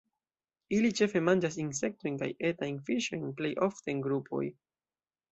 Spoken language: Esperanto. Ili ĉefe manĝas insektojn kaj etajn fiŝojn, plej ofte en grupoj.